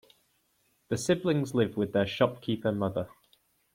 The siblings live with their shopkeeper mother.